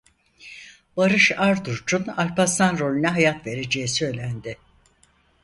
Barış Arduç'un Alparslan rolüne hayat vereceği söylendi.